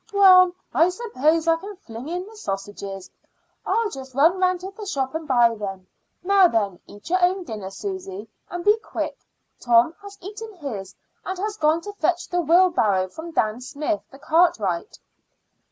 "Well, I suppose I can fling in the sausages. I'll just run round to the shop and buy them. Now then, eat your own dinner, Susy, and be quick. Tom has eaten his, and has gone to fetch the wheelbarrow from Dan Smith, the cartwright."